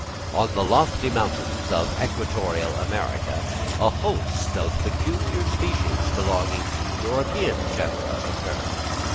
On the lofty mountains of equatorial America a host of peculiar species belonging to European genera occur.